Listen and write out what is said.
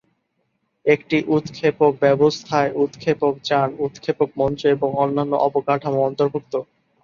একটি উৎক্ষেপক ব্যবস্থায় উৎক্ষেপক যান, উৎক্ষেপক মঞ্চ এবং অন্যান্য অবকাঠামো অন্তর্ভুক্ত।